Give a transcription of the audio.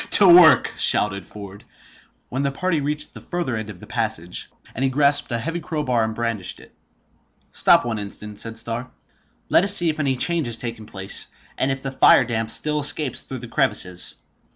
to work!" shouted Ford, when the party reached the further end of the passage; and he grasped a heavy crowbar and brandished it. "Stop one instant," said Starr. "Let us see if any change has taken place, and if the fire damp still escapes through the crevices."